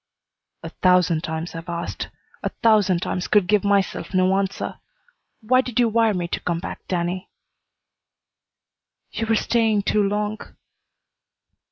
"A thousand times I've asked. A thousand times could give myself no answer. Why did you wire me to come back, Danny?" "You were staying too long."